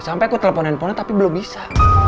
sampai aku telepon handphonenya tapi belum bisa